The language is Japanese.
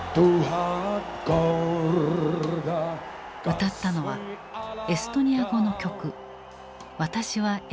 歌ったのはエストニア語の曲